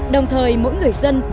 đồng thời mỗi người dân